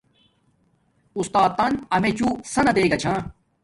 اُستاتن امیچوں سن دیگا چھا